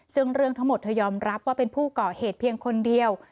ซึ่งเรื่องทั้งหมดเธอยอมรับว่าเป็นผู้ก่อเหตุเพียงคนเดียว